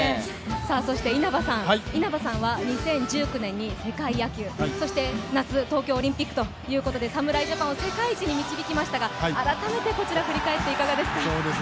そして稲葉さんは２０１９年に世界野球、そして夏、東京オリンピックということで侍ジャパンを世界一に導きましたが改めてこちら、振り返っていかがですか？